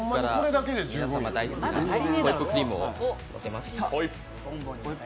皆様大好きなホイップクリームをのせます。